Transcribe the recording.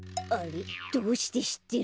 どうしてしってるの？